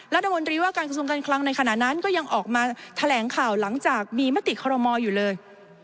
รัฐมนตรีว่าการกระทรวงการคลังในขณะนั้นก็ยังออกมาแถลงข่าวหลังจากมีมติคอรมอลอยู่เลย